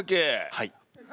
はい。